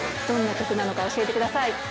どんな曲なのか、教えてください。